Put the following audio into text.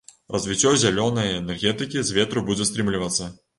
Развіццё зялёнай энергетыкі з ветру будзе стрымлівацца.